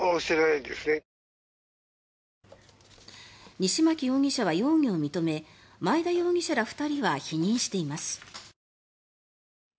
西槇容疑者は容疑を認め前田容疑者ら２人は否認しています。